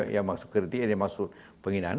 yang masuk ke rti yang masuk penghinaan